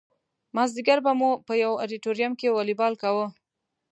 مازدیګر به مو په یو ادیتوریم کې والیبال کاوه.